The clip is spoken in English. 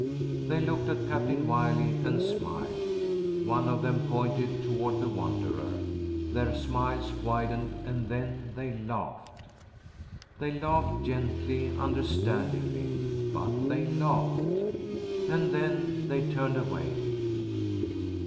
They looked at Captain Wiley and smiled. One of them pointed toward the Wanderer. Their smiles widened and then they laughed. They laughed gently, understandingly, but they laughed. And then they turned away.